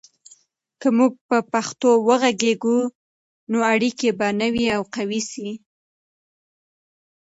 که موږ په پښتو وغږیږو، نو اړیکې به نوي او قوي سي.